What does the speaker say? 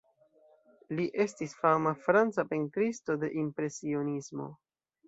Li estis fama franca pentristo, de Impresionismo.